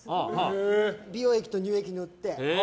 美容液と乳液塗って。